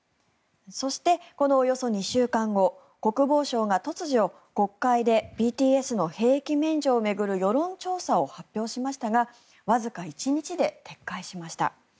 そして、このおよそ２週間後国防相が突如、国会でＢＴＳの兵役免除を巡る世論調査を発表しましたがわずか１日で撤回しました。